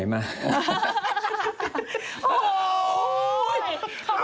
ฮ่าโอ้โห